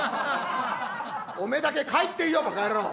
「おめえだけ帰っていいよバカ野郎。